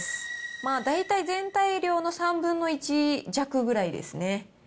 まあ、大体全体量の３分の１弱ぐらいですね。